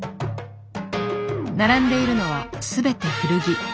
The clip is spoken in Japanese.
並んでいるのは全て古着。